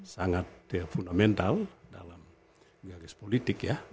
sangat fundamental dalam garis politik ya